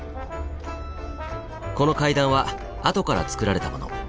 この階段は後からつくられたもの。